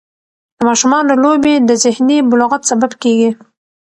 د ماشومانو لوبې د ذهني بلوغت سبب کېږي.